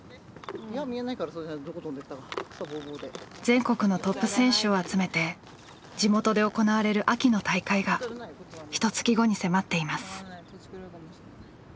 全国のトップ選手を集めて地元で行われる秋の大会がひとつき後に迫っています。